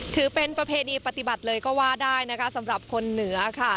ถือเป็นประเพณีปฏิบัติเลยก็ว่าได้นะคะสำหรับคนเหนือค่ะ